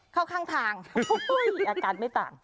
เข้าข้างทางมีอาการไม่ต่าง